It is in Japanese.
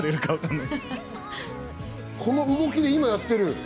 この動きで今やってる？